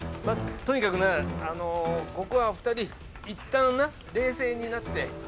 まあとにかくなあのここは２人いったんな冷静になって。